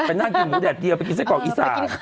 นั่งกินหมูแดดเดียวไปกินไส้กรอกอีสาน